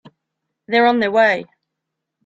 They're on their way.